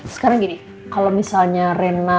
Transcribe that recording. sekarang gini kalau misalnya rena